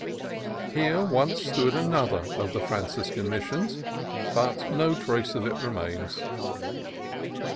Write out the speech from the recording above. Here once stood another of the Franciscan Missions, but no trace of it remains.